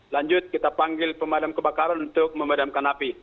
lanjut kita panggil pemadam kebakaran untuk memadamkan api